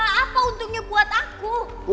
untuk apa apa untungnya buat aku